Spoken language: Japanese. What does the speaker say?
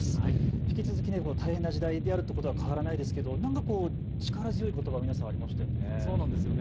引き続き大変な時代であるということは変わらないですけどなんか力強いことば、皆さんありましたね。